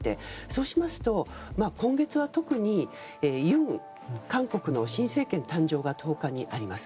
そうしますと今月は特に韓国の新政権誕生が１０日にあります。